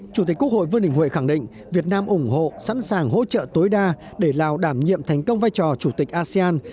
chủ tịch quốc hội vương đình huệ khẳng định việt nam ủng hộ sẵn sàng hỗ trợ tối đa để lào đảm nhiệm thành công vai trò chủ tịch asean